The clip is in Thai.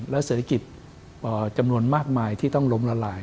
และเศรษฐกิจจำนวนมากมายที่ต้องล้มละลาย